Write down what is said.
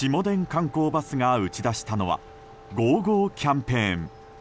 観光バスが打ち出したのは５０５０キャンペーン。